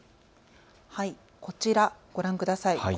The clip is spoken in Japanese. こちら、ご覧ください。